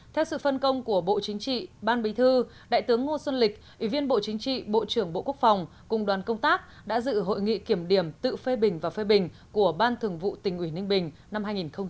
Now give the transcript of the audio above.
theo sự phân công của bộ chính trị ban bí thư đại tướng ngô xuân lịch ủy viên bộ chính trị bộ trưởng bộ quốc phòng cùng đoàn công tác đã dự hội nghị kiểm điểm tự phê bình và phê bình của ban thường vụ tỉnh ủy ninh bình năm hai nghìn một mươi chín